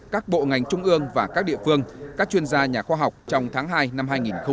các bộ ngành trung ương và các địa phương các chuyên gia nhà khoa học trong tháng hai năm hai nghìn hai mươi